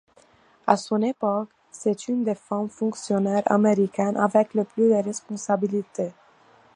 À son époque, c'est une des femmes fonctionnaires américaines avec le plus de responsabilités.